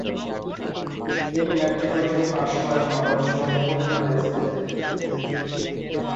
তিনি matriculation pass করেন ময়মনসিংহের ফুলপুর হাইস্কুল থেকে।